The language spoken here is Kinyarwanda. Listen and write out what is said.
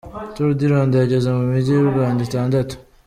Tour du Rwanda yageze mu mijyi y’u Rwanda itandatu.